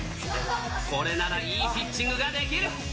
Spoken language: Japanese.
これならいいピッチングができる。